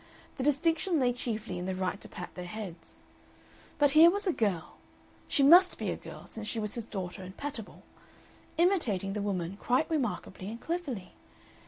The distinction lay chiefly in the right to pat their heads. But here was a girl she must be a girl, since she was his daughter and pat able imitating the woman quite remarkably and cleverly.